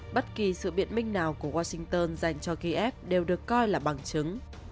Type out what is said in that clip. những vụ tấn công dành cho kiev đều được coi là bằng chứng